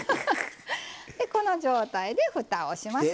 でこの状態でふたをします。